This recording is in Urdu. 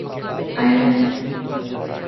آئرلینڈ